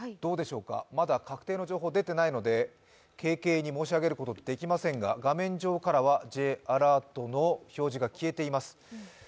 まだ確定の情報が出ていないので、軽々に申し上げることはできませんが画面上からはＪアラートの表示が消えています。